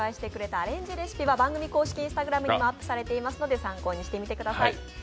アレンジレシピは番組公式Ｉｎｓｔａｇｒａｍにもアップされていますので参考にしてみてください。